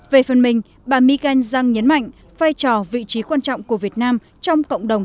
về phần mình bà mikeng zong nhấn mạnh vai trò vị trí quan trọng của việt nam trong cộng đồng